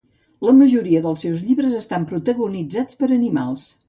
La majoria dels seus llibres estan protagonitzats per animals.